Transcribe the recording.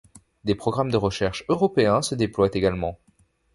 Des programmes de recherche européens se déploient également.